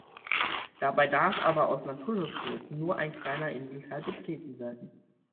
Dabei darf aber aus Naturschutzgründen nur ein kleiner Inselteil betreten werden.